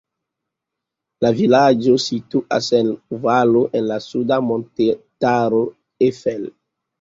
La vilaĝo situas en valo en la suda montetaro Eifel.